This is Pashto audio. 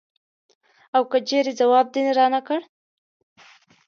او که چېرې ځواب دې رانه کړ.